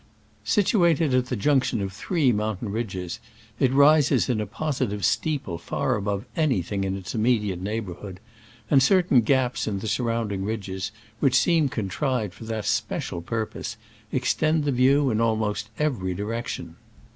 [Situated at the junction of three mountain ridges, it rises in a positive steeple far above anything in its immediate neighborhood, and certain gaps in the surrounding ridges, which seem contrived for that especial purpose, extend the view in almost every direction.